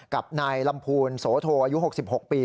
กับนายลำพูนโสโทอายุ๖๖ปี